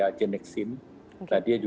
nah dia juga akan masuk clinical trialnya